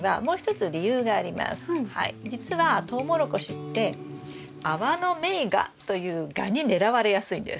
じつはトウモロコシってアワノメイガというガに狙われやすいんです。